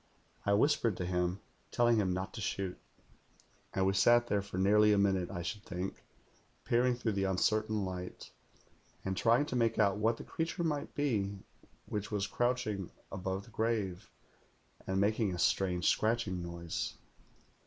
I whispered to him, telling him not to shoot; and we sat there for nearly a minute, I should think, peering through the uncertain light, and trying to make out what the creature might be which was crouching above the grave and making a strange scratching noise.